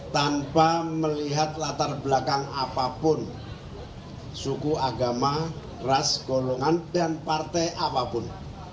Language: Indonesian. tanpa melihat latar belakang apapun suku agama ras golongan dan partai apapun